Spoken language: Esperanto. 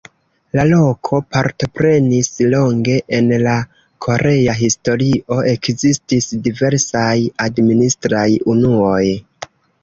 La loko partoprenis longe en la korea historio, ekzistis diversaj administraj unuoj.